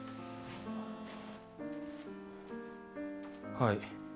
はい。